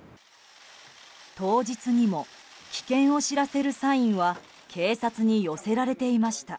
当日にも危険を知らせるサインは警察に寄せられていました。